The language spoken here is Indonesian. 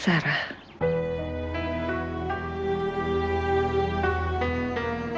saya mau ke jogja